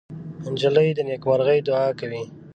نجلۍ د نیکمرغۍ دعا کوي.